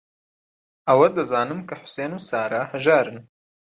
ئەوە دەزانم کە حوسێن و سارا ھەژارن.